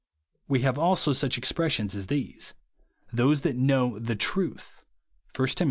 We have also such exjDressions as these, " Those that know the truth,'' (1 Tim.